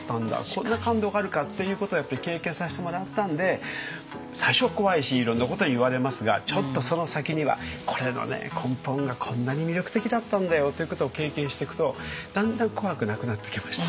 こんな感動があるかっていうことをやっぱり経験させてもらったんで最初は怖いしいろんなこと言われますがちょっとその先にはこれのね根本がこんなに魅力的だったんだよっていうことを経験していくとだんだん怖くなくなってきました。